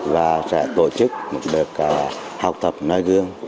và sẽ tổ chức một đợt học tập nơi gương